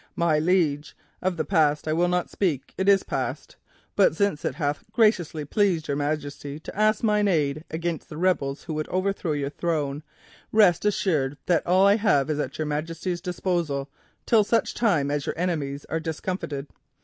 'My liege,—Of the past I will not speak. It is past. But since it hath graciously pleased your Majesty to ask mine aid against the rebels who would overthrow your throne, rest assured that all I have is at your Majesty's command, till such time as your enemies are discomfited.